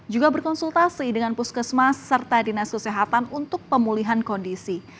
juga berkonsultasi dengan puskesmas serta dinas kesehatan untuk pemulihan kondisi